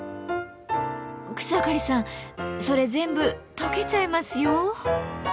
草刈さんそれ全部とけちゃいますよ。